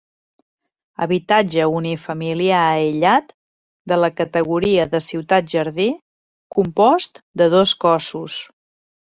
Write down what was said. Habitatge unifamiliar aïllat, de la categoria de ciutat jardí, compost de dos cossos.